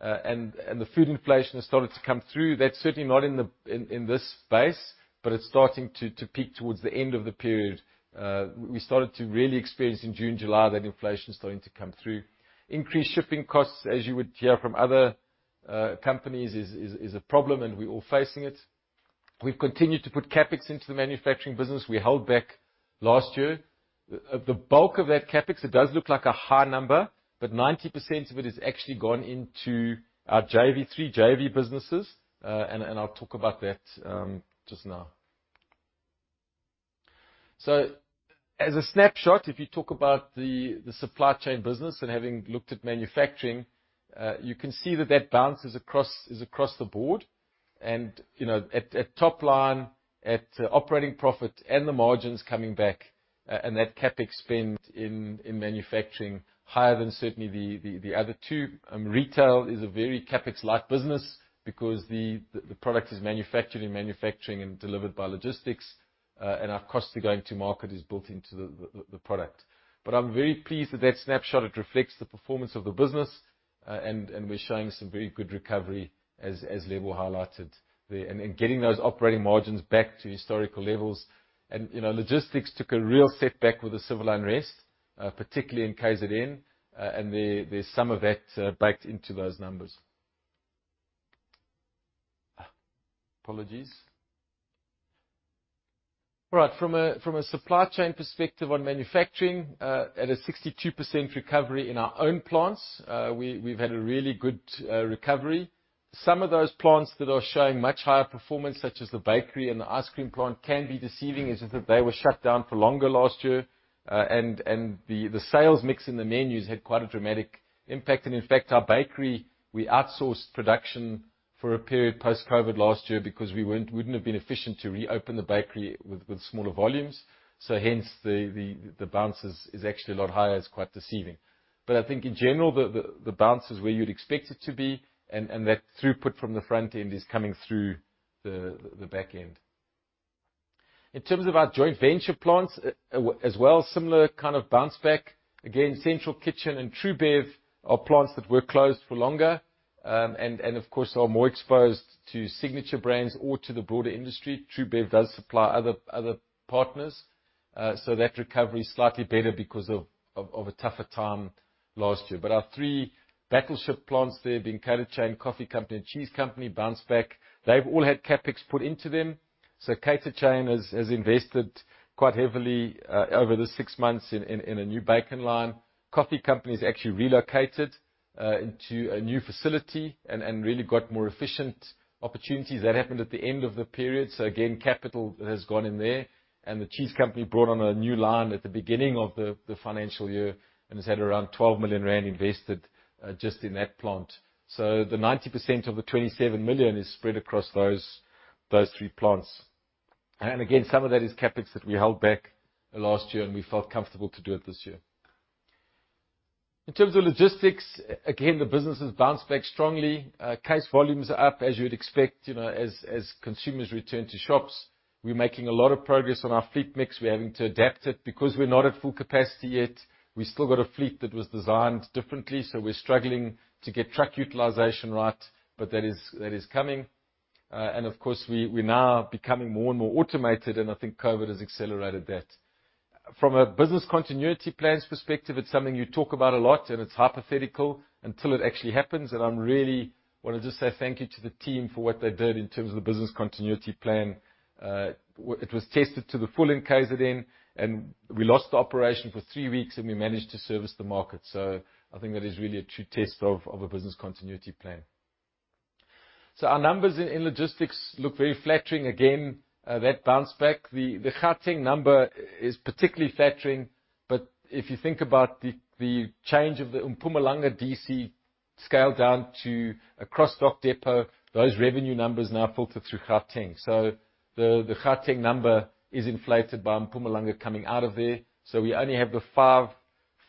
The food inflation has started to come through. That's certainly not in the interim. In this space, it's starting to peak towards the end of the period. We started to really experience in June, July, that inflation starting to come through. Increased shipping costs, as you would hear from other companies, is a problem, and we're all facing it. We've continued to put CapEx into the manufacturing business. We held back last year. The bulk of that CapEx, it does look like a high number, but 90% of it has actually gone into our three JV businesses. I'll talk about that just now. As a snapshot, if you talk about the supply chain business and having looked at manufacturing, you can see that balance is across the board. You know, at top line, at operating profit and the margins coming back, and that CapEx spend in manufacturing higher than certainly the other two. Retail is a very CapEx-light business because the product is manufactured in manufacturing and delivered by logistics, and our cost of going to market is built into the product. But I'm very pleased that snapshot, it reflects the performance of the business. We're showing some very good recovery, as Lebo highlighted there. Getting those operating margins back to historical levels. You know, logistics took a real setback with the civil unrest, particularly in KZN. There's some of that baked into those numbers. Apologies. All right. From a supply chain perspective on manufacturing, at a 62% recovery in our own plants, we've had a really good recovery. Some of those plants that are showing much higher performance, such as the bakery and the ice cream plant, can be deceiving, as if they were shut down for longer last year. The sales mix and the menus had quite a dramatic impact. In fact, our bakery, we outsourced production for a period post-COVID last year because we wouldn't have been efficient to reopen the bakery with smaller volumes. Hence the bounce is actually a lot higher. It's quite deceiving. I think in general, the bounce is where you'd expect it to be, and that throughput from the front end is coming through the back end. In terms of our joint venture plants, as well, similar kind of bounce back. Again, Central Kitchen and TruBev are plants that were closed for longer, and of course, are more exposed to Signature Brands or to the broader industry. TruBev does supply other partners. So that recovery is slightly better because of a tougher time last year. Our three battleship plants there being Cater Chain, Coffee Company, and Cheese Company bounced back. They've all had CapEx put into them. So Cater Chain has invested quite heavily over the six months in a new bacon line. Coffee Company's actually relocated into a new facility and really got more efficient opportunities. That happened at the end of the period, so again, capital has gone in there. The Cheese Company brought on a new line at the beginning of the financial year and has had around 12 million rand invested just in that plant. The 90% of the 27 million is spread across those three plants. Again, some of that is CapEx that we held back last year, and we felt comfortable to do it this year. In terms of logistics, again, the business has bounced back strongly. Case volumes are up as you would expect, you know, as consumers return to shops. We're making a lot of progress on our fleet mix. We're having to adapt it because we're not at full capacity yet. We still got a fleet that was designed differently, so we're struggling to get truck utilization right, but that is coming. And of course, we now are becoming more and more automated, and I think COVID has accelerated that. From a business continuity plans perspective, it's something you talk about a lot, and it's hypothetical until it actually happens. I'm really wanna just say thank you to the team for what they did in terms of the business continuity plan. It was tested to the full in KZN, and we lost the operation for three weeks, and we managed to service the market. I think that is really a true test of a business continuity plan. Our numbers in logistics look very flattering. Again, that bounce back. The Gauteng number is particularly flattering, but if you think about the change of the Mpumalanga DC scale down to a cross-dock depot, those revenue numbers now filter through Gauteng. The Gauteng number is inflated by Mpumalanga coming out of there. We only have the five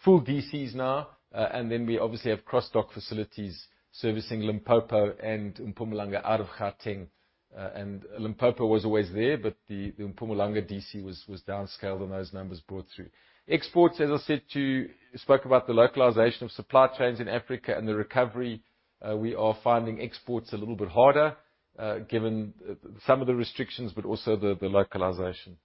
full DCs now, and then we obviously have cross-dock facilities servicing Limpopo and Mpumalanga out of Gauteng. Limpopo was always there, but the Mpumalanga DC was downscaled and those numbers brought through. Exports, as I said to you, spoke about the localization of supply chains in Africa and the recovery. We are finding exports a little bit harder, given some of the restrictions, but also the localization.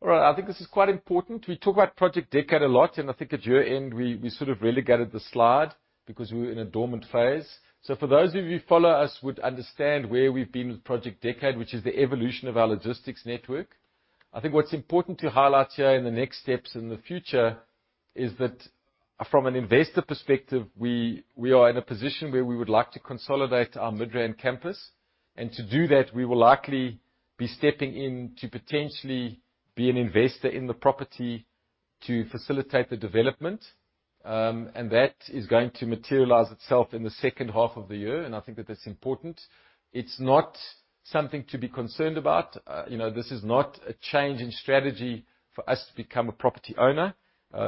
All right, I think this is quite important. We talk about Project Decade a lot, and I think at your end we sort of relegated the slide because we were in a dormant phase. For those of you who follow us would understand where we've been with Project Decade, which is the evolution of our logistics network. I think what's important to highlight here in the next steps in the future is that from an investor perspective, we are in a position where we would like to consolidate our Midrand campus. To do that, we will likely be stepping in to potentially be an investor in the property to facilitate the development. That is going to materialize itself in the second half of the year, and I think that that's important. It's not something to be concerned about. You know, this is not a change in strategy for us to become a property owner.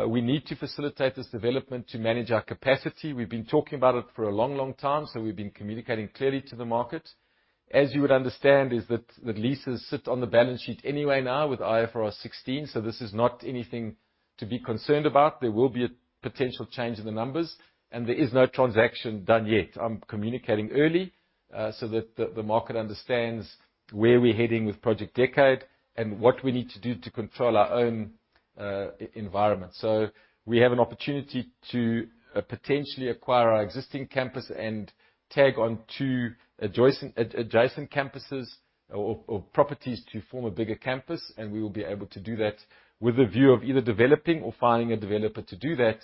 We need to facilitate this development to manage our capacity. We've been talking about it for a long, long time, so we've been communicating clearly to the market. As you would understand, that leases sit on the balance sheet anyway now with IFRS 16, so this is not anything to be concerned about. There will be a potential change in the numbers, and there is no transaction done yet. I'm communicating early, so that the market understands where we're heading with Project Decade and what we need to do to control our own environment. We have an opportunity to potentially acquire our existing campus and tag onto adjacent campuses or properties to form a bigger campus, and we will be able to do that with a view of either developing or finding a developer to do that.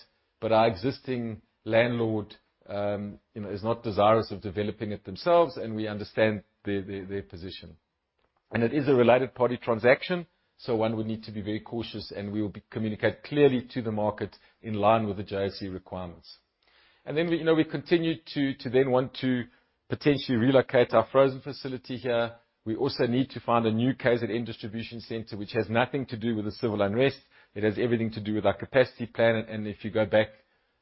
Our existing landlord, you know, is not desirous of developing it themselves, and we understand their position. It is a related party transaction, so one would need to be very cautious, and we will communicate clearly to the market in line with the JSE requirements. Then we, you know, continue to then want to potentially relocate our frozen facility here. We also need to find a new KZN distribution center, which has nothing to do with the civil unrest. It has everything to do with our capacity plan, and if you go back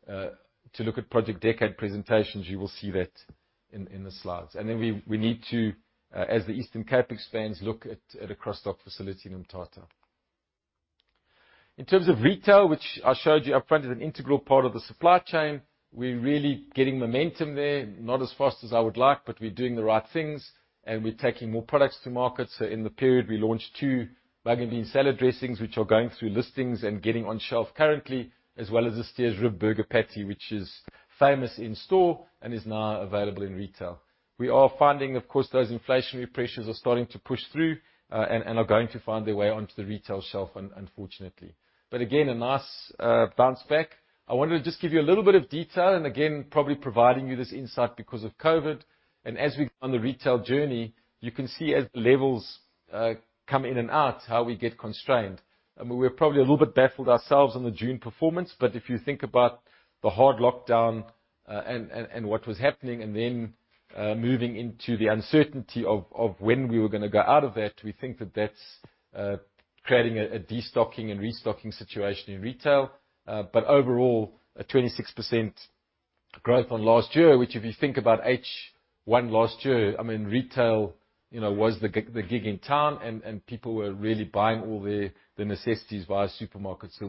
to look at Project Decade presentations, you will see that in the slides. Then we need to, as the Eastern Cape expands, look at a cross-dock facility in Mthatha. In terms of retail, which I showed you up front, is an integral part of the supply chain. We're really getting momentum there. Not as fast as I would like, but we're doing the right things, and we're taking more products to market. In the period, we launched two Mugg & Bean salad dressings, which are going through listings and getting on shelf currently, as well as the Steers rib burger patty, which is famous in store and is now available in retail. We are finding, of course, those inflationary pressures are starting to push through, and are going to find their way onto the retail shelf unfortunately. Again, a nice bounce back. I wanted to just give you a little bit of detail, and again, probably providing you this insight because of COVID. As we go on the retail journey, you can see sales levels come in and out how we get constrained. We're probably a little bit baffled ourselves on the June performance, but if you think about the hard lockdown, and what was happening, and then moving into the uncertainty of when we were gonna go out of that, we think that that's creating a destocking and restocking situation in retail. Overall a 26% growth on last year, which if you think about H1 last year, I mean, retail, you know, was the gig in town, and people were really buying all the necessities via supermarkets.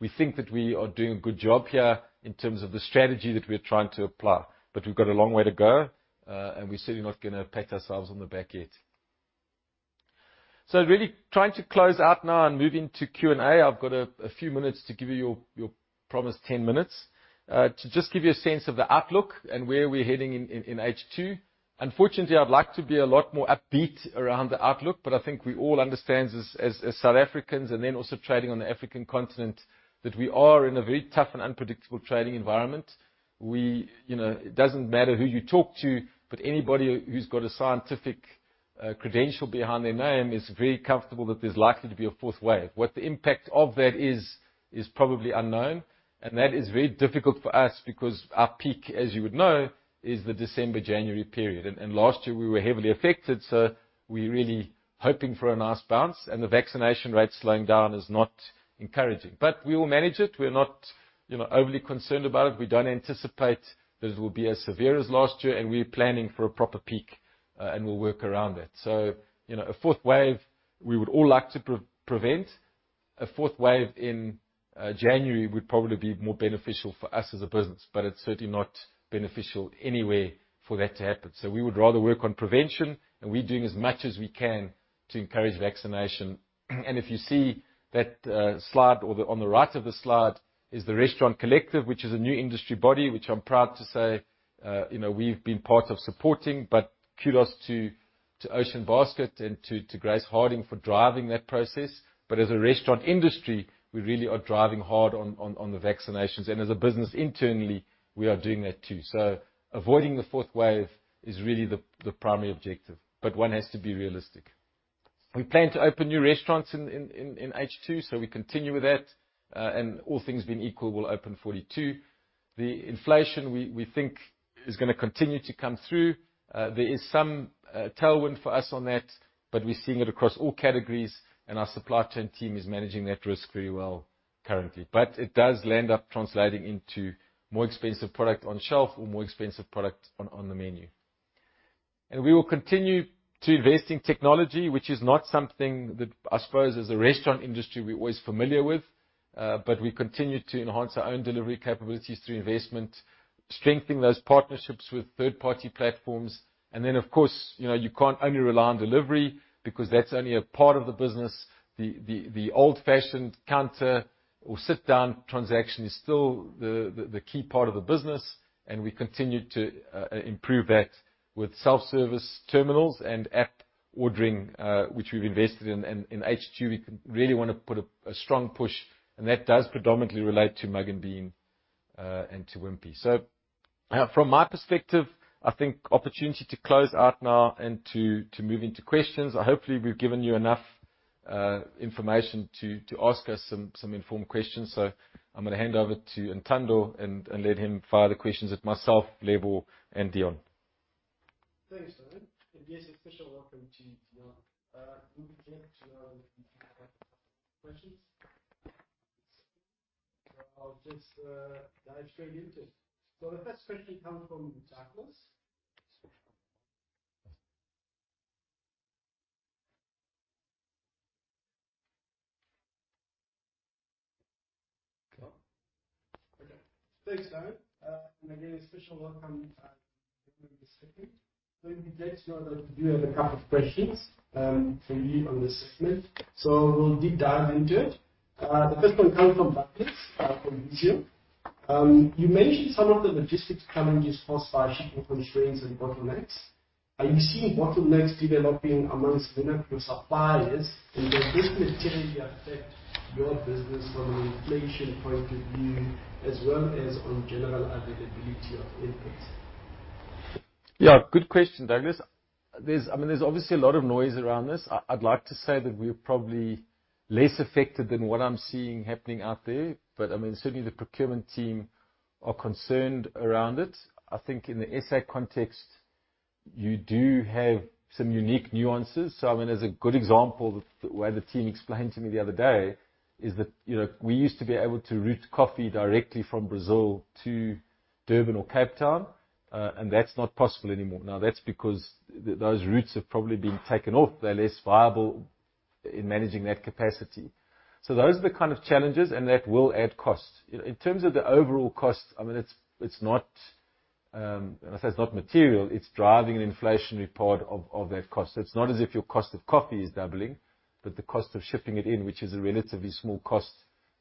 We think that we are doing a good job here in terms of the strategy that we're trying to apply. We've got a long way to go, and we're certainly not gonna pat ourselves on the back yet. Really trying to close out now and move into Q&A. I've got a few minutes to give you your promised 10 minutes to just give you a sense of the outlook and where we're heading in H2. Unfortunately, I'd like to be a lot more upbeat around the outlook, but I think we all understand as South Africans and then also trading on the African continent, that we are in a very tough and unpredictable trading environment. You know, it doesn't matter who you talk to, but anybody who's got a scientific credential behind their name is very comfortable that there's likely to be a fourth wave. What the impact of that is probably unknown, and that is very difficult for us because our peak, as you would know, is the December/January period. Last year we were heavily affected, so we're really hoping for a nice bounce. The vaccination rate slowing down is not encouraging. But we will manage it. We're not, you know, overly concerned about it. We don't anticipate that it will be as severe as last year, and we're planning for a proper peak, and we'll work around that. You know, a fourth wave we would all like to prevent. A fourth wave in January would probably be more beneficial for us as a business, but it's certainly not beneficial anyway for that to happen. We would rather work on prevention, and we're doing as much as we can to encourage vaccination. If you see that slide or the one on the right of the slide is The Restaurant Collective, which is a new industry body, which I'm proud to say, you know, we've been part of supporting. Kudos to Ocean Basket and to Grace Harding for driving that process. As a restaurant industry, we really are driving hard on the vaccinations, and as a business internally, we are doing that too. Avoiding the fourth wave is really the primary objective, but one has to be realistic. We plan to open new restaurants in H2, so we continue with that. All things being equal, we'll open 42. The inflation we think is gonna continue to come through. There is some tailwind for us on that, but we're seeing it across all categories and our supply chain team is managing that risk very well currently. It does land up translating into more expensive product on shelf or more expensive product on the menu. We will continue to invest in technology, which is not something that, I suppose, as a restaurant industry we're always familiar with. We continue to enhance our own delivery capabilities through investment, strengthen those partnerships with third-party platforms. Of course, you know, you can't only rely on delivery because that's only a part of the business. The old-fashioned counter or sit-down transaction is still the key part of the business, and we continue to improve that with self-service terminals and app ordering, which we've invested in. In H2, we really wanna put a strong push, and that does predominantly relate to Mugg & Bean and to Wimpy. From my perspective, I think opportunity to close out now and to move into questions. Hopefully we've given you enough information to ask us some informed questions. I'm gonna hand over to Ntando and let him fire the questions at myself, Lebo and Dion. Thanks, Darren. Yes, a special welcome to Dion. We'll begin to take questions. I'll just dive straight into it. The first question comes from Douglas. Okay. Thanks, Darren. Again, a special welcome to Lebo this second. We'll be glad to know that we do have a couple of questions for you on this segment. We'll deep dive into it. The first one comes from Douglas from Nedbank. You mentioned some of the logistics challenges caused by shipping constraints and bottlenecks. Are you seeing bottlenecks developing among vendors or suppliers, and does this materially affect your business from an inflation point of view as well as on general availability of inputs?" Yeah, good question, Douglas. There's, I mean, there's obviously a lot of noise around this. I'd like to say that we're probably less affected than what I'm seeing happening out there, but I mean, certainly the procurement team are concerned around it. I think in the SA context, you do have some unique nuances. I mean, as a good example, the way the team explained to me the other day is that, you know, we used to be able to route coffee directly from Brazil to Durban or Cape Town, and that's not possible anymore. Now, that's because those routes have probably been taken off. They're less viable in managing that capacity. Those are the kind of challenges, and that will add cost. In terms of the overall cost, I mean, it's not material, it's driving an inflationary part of that cost. It's not as if your cost of coffee is doubling, but the cost of shipping it in, which is a relatively small cost,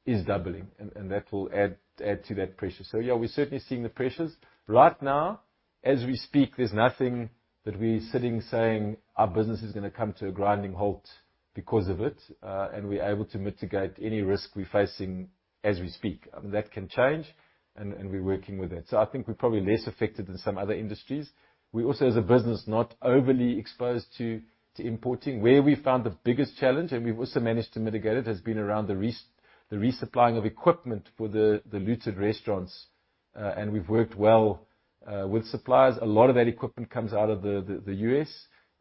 is doubling, and that will add to that pressure. Yeah, we're certainly seeing the pressures. Right now, as we speak, there's nothing that we're sitting saying our business is gonna come to a grinding halt because of it. We're able to mitigate any risk we're facing as we speak. That can change and we're working with it. I think we're probably less affected than some other industries. We also, as a business, not overly exposed to importing. Where we found the biggest challenge, and we've also managed to mitigate it, has been around the resupplying of equipment for the looted restaurants. We've worked well with suppliers. A lot of that equipment comes out of the U.S.,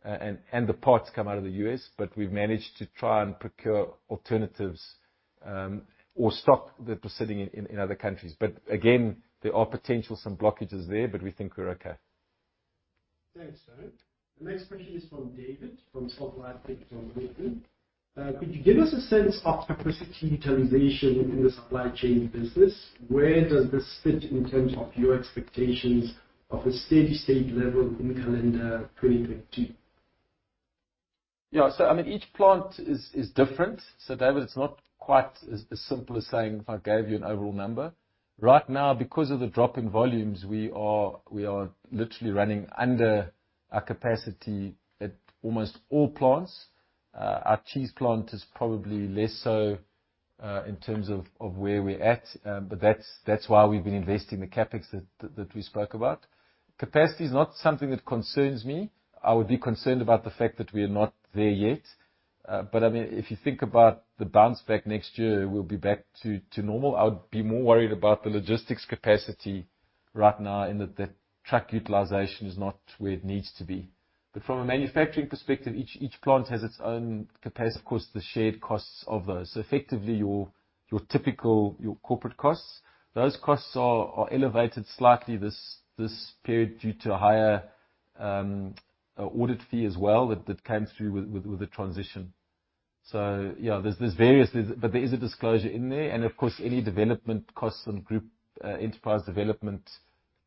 and the parts come out of the U.S., but we've managed to try and procure alternatives, or stock that was sitting in other countries. Again, there are potentially some blockages there, but we think we're okay. Thanks, Darren. The next question is from David, from Sapphire Street from London. Could you give us a sense of capacity utilization in the supply chain business? Where does this fit in terms of your expectations of a steady state level in calendar 2022? Yeah. I mean, each plant is different. David, it's not quite as simple as saying if I gave you an overall number. Right now, because of the drop in volumes, we are literally running under our capacity at almost all plants. Our cheese plant is probably less so in terms of where we're at, but that's why we've been investing the CapEx that we spoke about. Capacity is not something that concerns me. I would be concerned about the fact that we are not there yet. I mean, if you think about the bounce back next year, we'll be back to normal. I would be more worried about the logistics capacity right now in that the truck utilization is not where it needs to be. From a manufacturing perspective, each plant has its own capacity. Of course, the shared costs of those effectively your corporate costs, those costs are elevated slightly this period due to higher audit fee as well that came through with the transition. Yeah, there's various, but there is a disclosure in there. Of course, any development costs on group enterprise development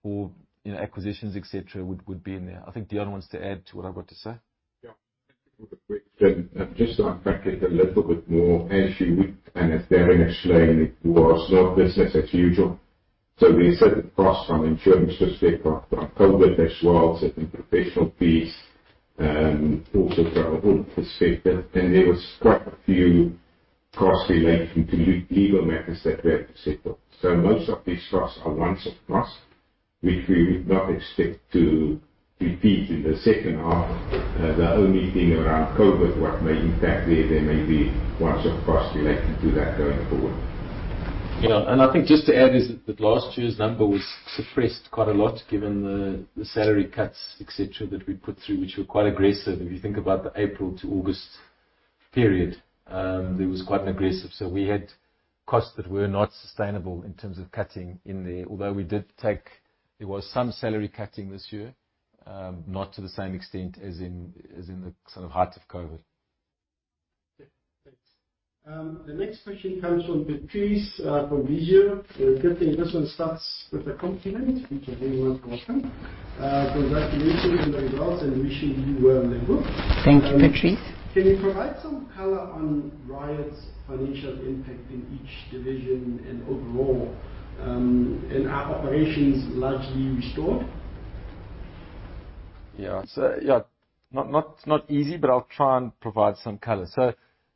or, you know, acquisitions, et cetera, would be in there. I think Dion wants to add to what I've got to say. Yeah. Just to unpack it a little bit more, as you would understand, actually, it was not business as usual. We incurred costs from insurance perspective, from COVID as well, certain professional fees, also from a group perspective, and there was quite a few costs relating to legal matters that we had to settle. Most of these costs are once-off costs, which we would not expect to repeat in the second half. The only thing around COVID, what may impact there may be once-off costs relating to that going forward. Yeah. I think just to add is that last year's number was suppressed quite a lot given the salary cuts, et cetera, that we put through, which were quite aggressive. If you think about the April to August period, it was quite aggressive. We had costs that were not sustainable in terms of cutting in there. There was some salary cutting this year, not to the same extent as in the sort of height of COVID. Yeah. Thanks. The next question comes from Patrice from Visio. Good day. This one starts with a compliment, which is very much welcome. Congratulations on the results and wishing you well in the group. Thank you, Patrice. Can you provide some color on riots' financial impact in each division and overall, and are operations largely restored? Yeah, not easy, but I'll try and provide some color.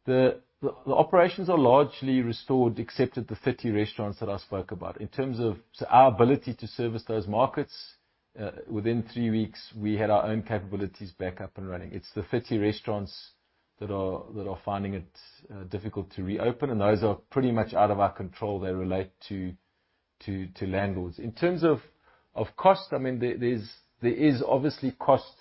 The operations are largely restored except at the 50 restaurants that I spoke about. In terms of our ability to service those markets, within three weeks, we had our own capabilities back up and running. It's the 50 restaurants that are finding it difficult to reopen, and those are pretty much out of our control. They relate to landlords. In terms of cost, I mean, there is obviously cost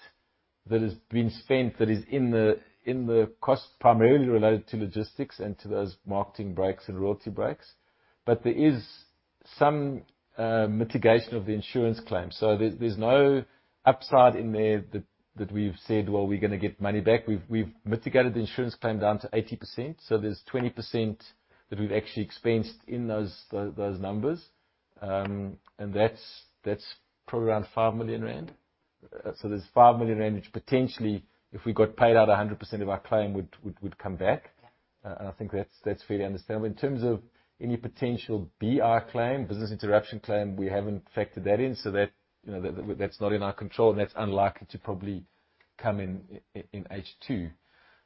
that has been spent that is in the cost primarily related to logistics and to those marketing breaks and royalty breaks. But there is some mitigation of the insurance claim. There's no upside in there that we've said, "Well, we're gonna get money back." We've mitigated the insurance claim down to 80%, so there's 20% that we've actually expensed in those numbers. And that's probably around 5 million rand. There's 5 million rand, which potentially, if we got paid out 100% of our claim, would come back. And I think that's fairly understandable. In terms of any potential BI claim, business interruption claim, we haven't factored that in. That, you know, that's not in our control, and that's unlikely to probably come in H2.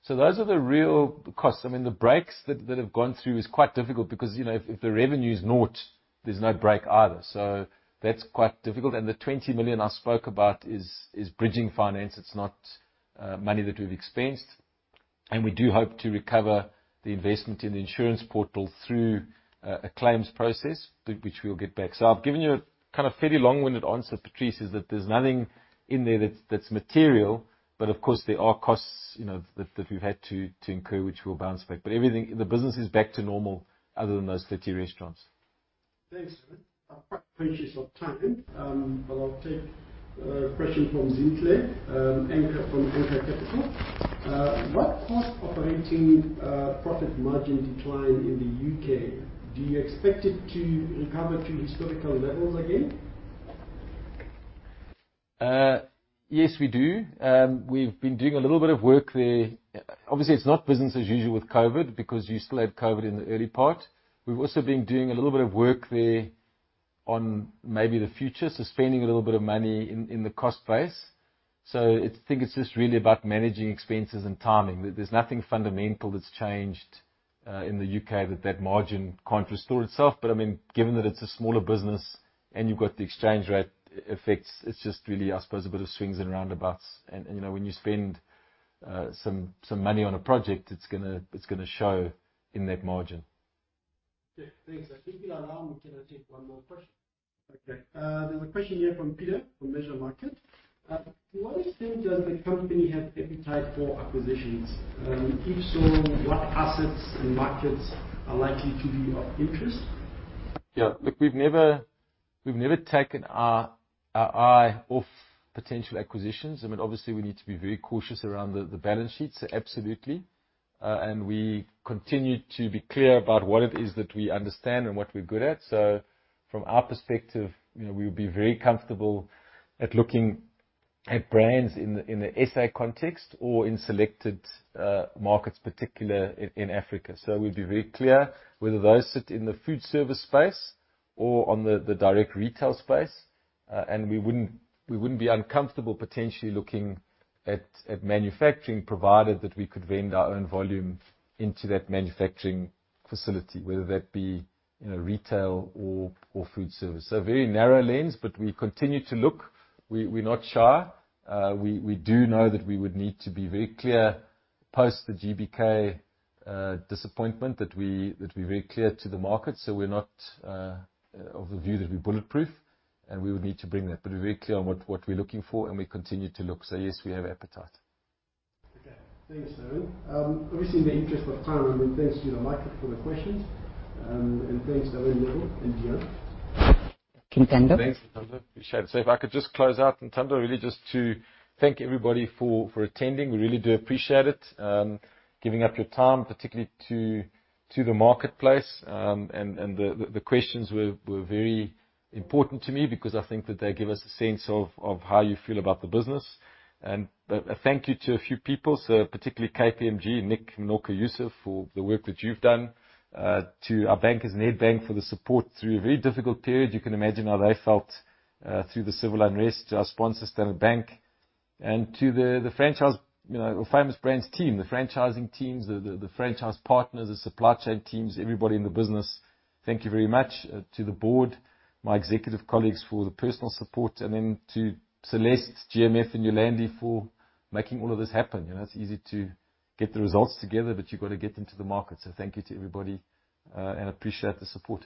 Those are the real ccsts. I mean, the breaks that have gone through is quite difficult because, you know, if the revenue is naught, there's no break either. That's quite difficult, and the 20 million I spoke about is bridging finance. It's not money that we've expensed. We do hope to recover the investment in the insurance portal through a claims process, which we will get back. I've given you a kind of fairly long-winded answer, Patrice. Is that there's nothing in there that's material. Of course, there are costs, you know, that we've had to incur, which we'll bounce back. Everything, the business is back to normal other than those 30 restaurants. Thanks, Darren. I'm quite conscious of time, but I'll take a question from Zintle Anchor from Anchor Capital. What caused operating profit margin decline in the U.K.? Do you expect it to recover to historical levels again? Yes, we do. We've been doing a little bit of work there. Obviously, it's not business as usual with COVID, because you still have COVID in the early part. We've also been doing a little bit of work there on maybe the future, so spending a little bit of money in the cost base. I think it's just really about managing expenses and timing. There's nothing fundamental that's changed in the U.K. that margin can't restore itself. I mean, given that it's a smaller business and you've got the exchange rate effects, it's just really, I suppose, a bit of swings and roundabouts. You know, when you spend some money on a project, it's gonna show in that margin. Yeah. Thanks. I think it allow me to take one more question. There's a question here from Peter, from Measure Market. To what extent does the company have appetite for acquisitions? If so, what assets and markets are likely to be of interest? Yeah. Look, we've never taken our eye off potential acquisitions. I mean, obviously, we need to be very cautious around the balance sheets. Absolutely. We continue to be clear about what it is that we understand and what we're good at. From our perspective, you know, we'll be very comfortable looking at brands in the SA context or in selected markets, particularly in Africa. We'd be very clear whether those sit in the food service space or in the direct retail space. We wouldn't be uncomfortable potentially looking at manufacturing, provided that we could send our own volume into that manufacturing facility, whether that be, you know, retail or food service. A very narrow lens, but we continue to look. We're not shy. We do know that we would need to be very clear, post the GBK disappointment, that we're very clear to the market. We're not of the view that we're bulletproof, and we would need to bring that. We're very clear on what we're looking for, and we continue to look. Yes, we have appetite. Okay. Thanks, Darren Hele. Obviously in the interest of time, and thanks to you, Michael, for the questions, and thanks to Darren Hele and Dion. Thank you, Ntando. Thanks, Ntando. Appreciate it. If I could just close out, and Ntando, really just to thank everybody for attending. We really do appreciate it, giving up your time, particularly to the marketplace. The questions were very important to me because I think that they give us a sense of how you feel about the business. A thank you to a few people, so particularly KPMG, Nick, Noku, Yusuf for the work that you've done, to our bankers in Absa Bank for the support through a very difficult period. You can imagine how they felt through the civil unrest. To our sponsors, Standard Bank, and to the franchise, you know, Famous Brands team, the franchising teams, the franchise partners, the supply chain teams, everybody in the business, thank you very much. To the board, my executive colleagues for the personal support, and then to Celeste, GMF, and Yolandi for making all of this happen. You know, it's easy to get the results together, but you've got to get them to the market. Thank you to everybody, and appreciate the support.